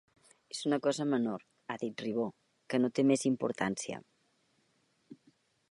És una cosa menor –ha dit Ribó–, que no té més importància.